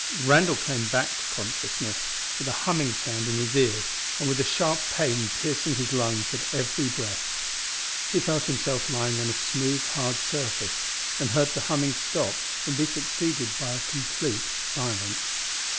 Randall came back to consciousness with a humming sound in his ears and with a sharp pain piercing his lungs at every breath. He felt himself lying on a smooth hard surface, and heard the humming stop and be succeeded by a complete silence.